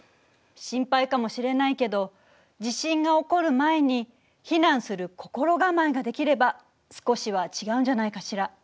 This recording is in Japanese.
心配かもしれないけど地震が起こる前に避難する心構えができれば少しは違うんじゃないかしら？